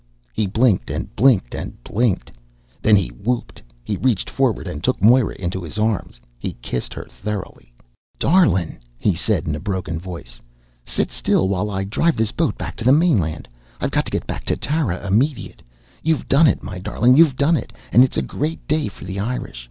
He blinked and blinked and blinked. Then he whooped. He reached forward and took Moira into his arms. He kissed her thoroughly. "Darlin'!" he said in a broken voice. "Sit still while I drive this boat back to the mainland! I've to get back to Tara immediate! You've done it, my darlin', you've done it, and it's a great day for the Irish!